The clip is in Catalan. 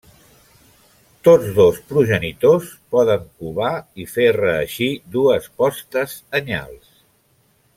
Tots dos progenitors poden covar i fer reeixir dues postes anyals.